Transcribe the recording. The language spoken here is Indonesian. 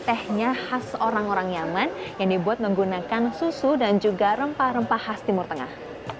tehnya khas orang orang yaman yang dibuat menggunakan susu dan juga rempah rempah khas timur tengah